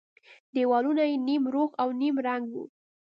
دېوالونه يې نيم روغ او نيم ړنگ وو.